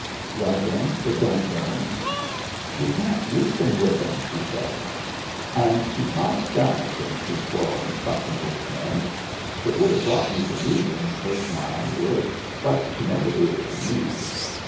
" Well, then, it don't burn." " You can't reason with them," sa)rs she. And she smiles down at them two quarrelin', fussin' old men. It would have brought me to reason, her smile would, but she never gave it to me.